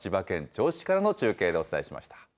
銚子からの中継でお伝えしました。